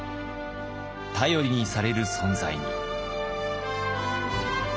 頼りにされる存在に。